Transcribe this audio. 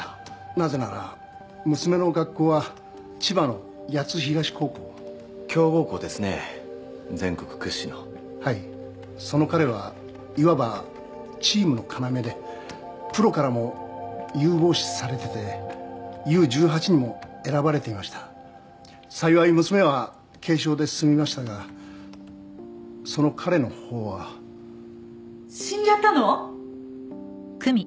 なぜなら娘の学校は千葉の谷津東高校強豪校ですね全国屈指のはいその彼はいわばチームの要でプロからも有望視されててＵ−１８にも選ばれていました幸い娘は軽傷で済みましたがその彼のほうは死んじゃったの？